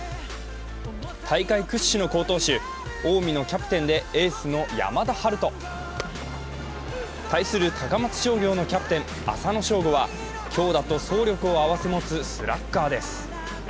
大会屈指の好投手近江のキャプテンでエースの山田陽翔。対する高松商業のキャプテン浅野翔吾は強打と走力を併せ持つスラッガーです。